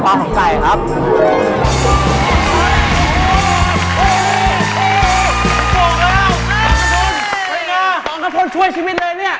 พร้อมข้าโทษช่วยชีวิตเลยเนี่ย